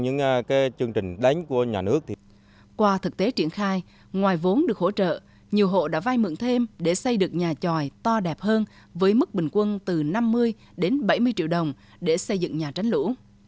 nhiều hộ đã vai mượn thêm để xây được nhà tròi to đẹp hơn với mức bình quân từ năm mươi đến bảy mươi triệu đồng để xây dựng nhà tránh lũ